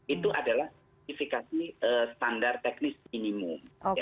itu adalah sertifikasi standar teknis minimum